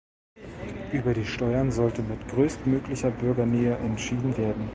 Über die Steuern sollte mit größtmöglicher Bürgernähe entschieden werden.